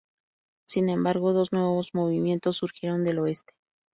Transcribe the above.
Sin embargo, dos nuevos movimientos surgieron del oeste.